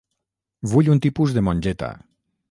Vull un tipus de mongeta.